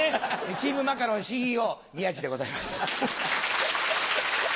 チームマカロン・ＣＥＯ宮治でございます。